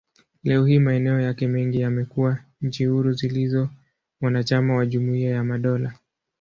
Leo hii, maeneo yake mengi yamekuwa nchi huru zilizo wanachama wa Jumuiya ya Madola.